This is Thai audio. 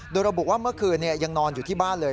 โดยระบุว่าเมื่อคืนยังนอนอยู่ที่บ้านเลย